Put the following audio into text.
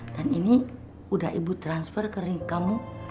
dan ini udah ibu transfer ke ring kamu